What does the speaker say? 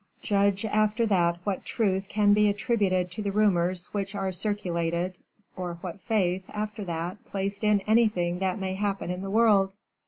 Judge after that what truth can be attributed to the rumors which are circulated, or what faith, after that, placed in anything that may happen in the world!